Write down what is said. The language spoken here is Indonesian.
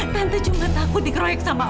tante cuma takut dikeroyok sama orang